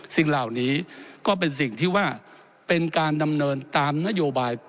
สิ่งเหล่านี้ก็เป็นสิ่งที่ว่าเป็นการดำเนินตามนโยบาย